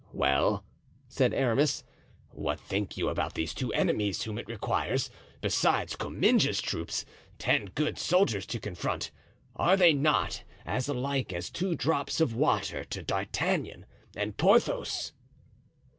"Well," said Aramis, "what think you about these two enemies whom it requires, besides Comminges's troop, ten good soldiers to confront; are they not as like as two drops of water to D'Artagnan and Porthos?"